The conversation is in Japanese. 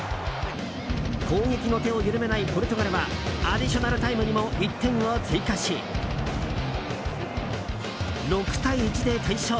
攻撃の手を緩めないポルトガルはアディショナルタイムにも１点を追加し６対１で大勝！